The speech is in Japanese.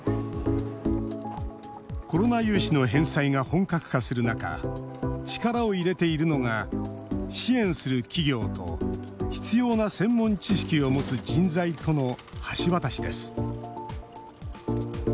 コロナ融資の返済が本格化する中力を入れているのが支援する企業と必要な専門知識を持つ人材との橋渡しです